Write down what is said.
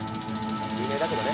有名だけどね。